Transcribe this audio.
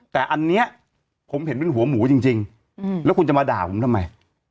แต่อันนี้ผมเห็นเป็นหัวหมูจริงแล้วคุณจะมาด่าผมทำไม